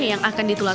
yang akan ditemukan